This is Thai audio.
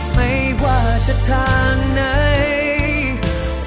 ไม่ว่าจะทางไหน